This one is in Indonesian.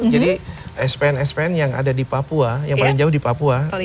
jadi spn spn yang ada di papua yang paling jauh di papua